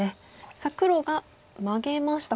さあ黒がマゲました。